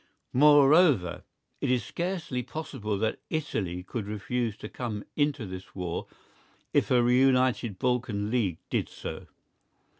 Moreover, it is scarcely possible that Italy could refuse to come into this war if a reunited Balkan League did so.